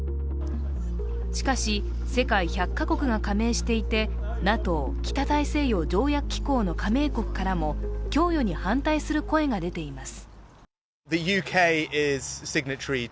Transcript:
しかし、世界１００か国が加盟していて、ＮＡＴＯ＝北大西洋条約機構の加盟国からも供与に反対する声が出ています。